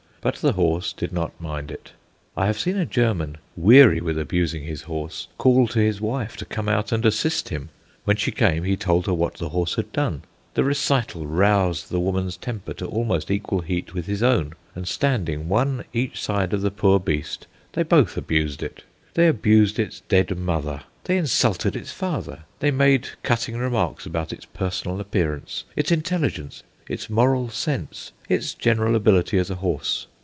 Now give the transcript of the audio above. But the horse did not mind it. I have seen a German, weary with abusing his horse, call to his wife to come out and assist him. When she came, he told her what the horse had done. The recital roused the woman's temper to almost equal heat with his own; and standing one each side of the poor beast, they both abused it. They abused its dead mother, they insulted its father; they made cutting remarks about its personal appearance, its intelligence, its moral sense, its general ability as a horse.